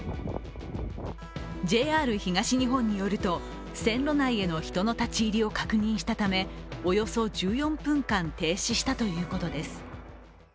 ＪＲ東日本によると、線路内への人の立ち入りを確認したためおよそ１４分間、停止したということです。